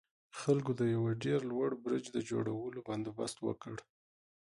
خلکو د يوه ډېر لوړ برج د جوړولو بندوبست وکړ.